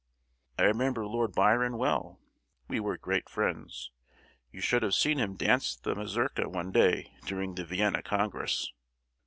I remember Lord Byron well; we were great friends; you should have seen him dance the mazurka one day during the Vienna Congress."